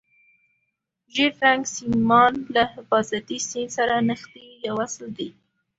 ژیړ رنګ سیمان له حفاظتي سیم سره نښتي یا وصل دي.